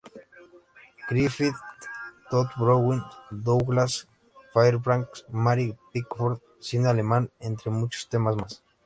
Griffith, Tod Browning, Douglas Fairbanks, Mary Pickford, cine alemán, entre muchos temas más.